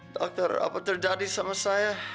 dokter apa terjadi sama saya